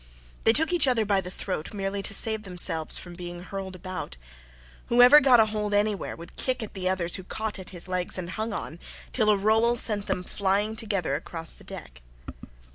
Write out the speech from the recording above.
They took each other by the throat merely to save themselves from being hurled about. Whoever got a hold anywhere would kick at the others who caught at his legs and hung on, till a roll sent them flying together across the deck.